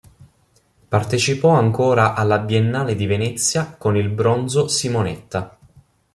Partecipò ancora alla Biennale di Venezia con il bronzo "Simonetta".